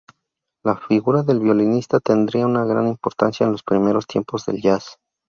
La figura del violinista tendría una gran importancia en los primeros tiempos del "jazz".